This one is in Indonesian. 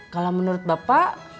kalau menurut bapak